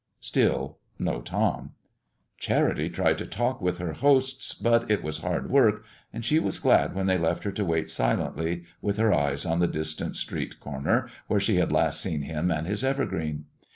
Still no Tom. Charity tried to talk with her hosts, but it was hard work, and she was glad when they left her to wait silently with her eyes on the distant street corner where she had last seen him and his evergreen.